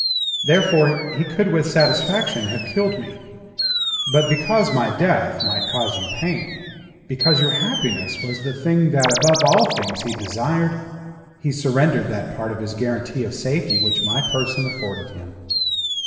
Therefore he could with satisfaction have killed me. But because my death might cause you pain, because your happiness was the thing that above all things he desired, he surrendered that part of his guarantee of safety which my person afforded him.